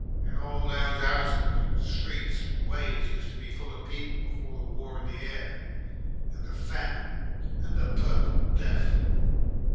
"And all those 'ouses and streets and ways used to be full of people before the War in the Air and the Famine and the Purple Death.